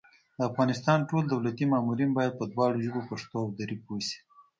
د افغانستان ټول دولتي مامورین بايد په دواړو ژبو پښتو او دري پوه شي